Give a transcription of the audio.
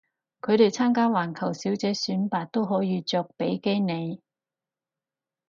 佢哋參加環球小姐選拔都可以着比基尼